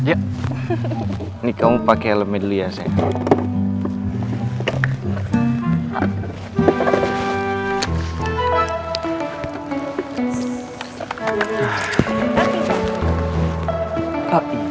ini kamu pake helm medley ya sayang